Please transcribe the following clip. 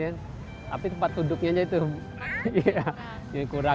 tapi tempat duduknya itu